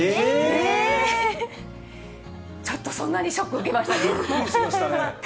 ちょっとそんなにショック受びっくりしましたね。